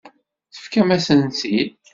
Tefkam-asent-tt-id.